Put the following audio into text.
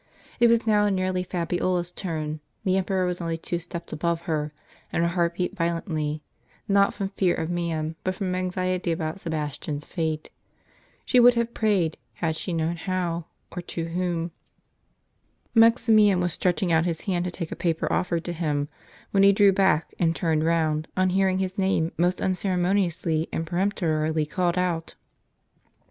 It was now nearly Fabiola' s turn : the emperor was only dtr two steps above her, and her heart beat violently, not from fear of man, but from anxiety about Sebastian's fate. She would have prayed, had she known how, or to whom. Max imian was stretching out his hand to take a paper offered to him, when he drew back, and turned round, on hearing his name most unceremoniously and peremptorily called out.